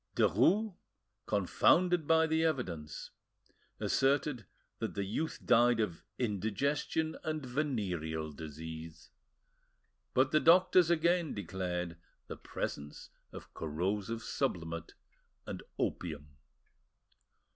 Derues, confounded by the evidence, asserted that the youth died of indigestion and venereal disease. But the doctors again declared the presence of corrosive sublimate and opium.